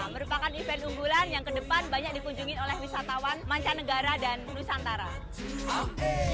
merupakan event unggulan yang ke depan banyak dipunjungi oleh wisatawan mancanegara dan nusantara